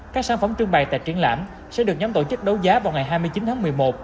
các sản phẩm trưng bày tại triển lãm sẽ được nhóm tổ chức đấu giá vào ngày hai mươi chín tháng một mươi một